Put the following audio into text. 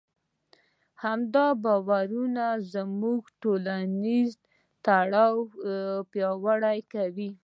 همدا باورونه زموږ ټولنیز تړاو پیاوړی کوي.